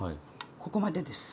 ここまでです。